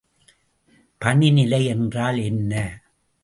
பனிநிலை என்றால் என்ன?